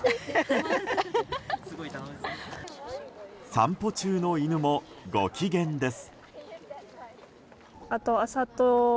散歩中の犬もご機嫌です。